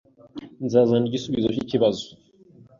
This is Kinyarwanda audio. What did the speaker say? Nzazana igisubizo cyikibazo.